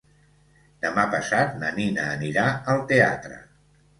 Demà passat na Nina anirà al teatre.